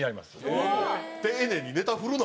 丁寧にネタ振るな！